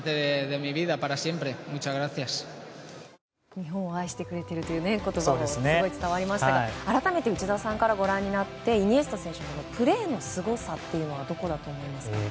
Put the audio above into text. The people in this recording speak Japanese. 日本を愛してくれてるという言葉もすごい伝わりましたが改めて内田さんからご覧になって、イニエスタ選手のプレーのすごさはどこだと思いますか？